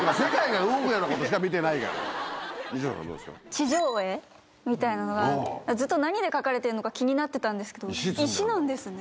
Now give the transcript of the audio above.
地上絵みたいなのがずっと何で描かれてるのか気になってたんですけど石なんですね。